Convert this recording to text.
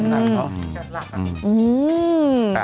แก๊สหลักนะผมอือ